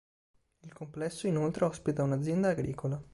Il complesso, inoltre, ospita un'azienda agricola.